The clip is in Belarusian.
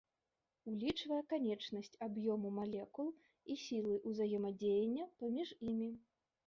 Улічвае канечнасць аб'ёму малекул і сілы ўзаемадзеяння паміж імі.